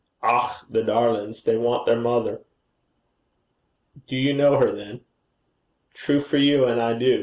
'Och, the darlin's! they want their mother.' 'Do you know her, then?' 'True for you, and I do.